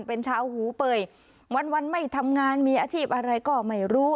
เป็นชาวหูเป่ยวันวันไม่ทำงานมีอาชีพอะไรก็ไม่รู้